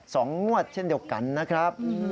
งวดเช่นเดียวกันนะครับ